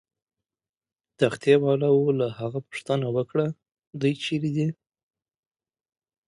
تختې والاو له هغه پوښتنه وکړه: دوی چیرې دي؟